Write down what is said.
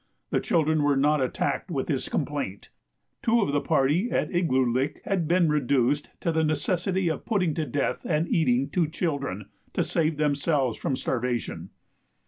The children were not attacked with this complaint. Two of the party at Igloolik had been reduced to the necessity of putting to death and eating two children, to save themselves from starvation.